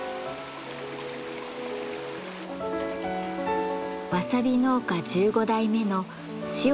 わさび農家１５代目の塩谷典久さん。